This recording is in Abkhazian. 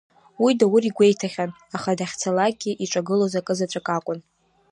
Уи Даур игәеиҭахьан, аха дахьцалакгьы иҿагылоз акызаҵәык акәын…